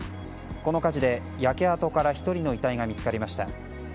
この火事で焼け跡から１人の遺体が見つかりました。